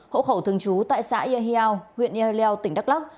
hỗ khẩu thường trú tại xã ea hiao huyện ea leo tỉnh đắk lắc